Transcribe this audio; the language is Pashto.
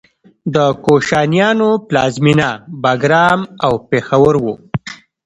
د کوشانیانو پلازمینه بګرام او پیښور و